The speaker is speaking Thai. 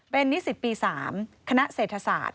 เป็นนิสิตปี๓คณะเศรษฐศาสตร์